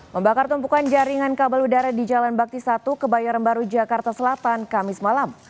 membakar tumpukan jaringan kabel udara di jalan bakti satu kebayoran baru jakarta selatan kamis malam